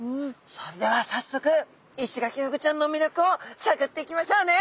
それではさっそくイシガキフグちゃんのみりょくをさぐっていきましょうね。